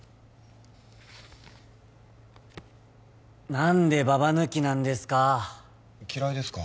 何でババ抜きなんですか嫌いですか？